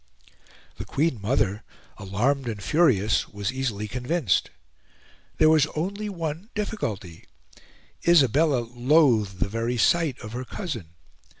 The Queen Mother, alarmed and furious, was easily convinced. There was only one difficulty: Isabella loathed the very sight of her cousin.